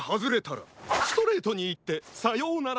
ストレートにいってさようなら